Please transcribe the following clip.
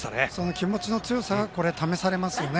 気持ちの強さが試されますよね、